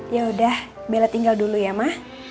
ya udah bella tinggal dulu ya ma